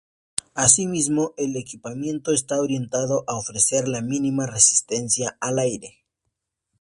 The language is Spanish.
Asimismo el equipamiento está orientado a ofrecer la mínima resistencia al aire.